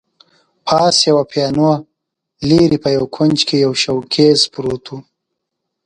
پاس یوه پیانو، لیري په یوه کونج کي یو شوکېز پروت وو.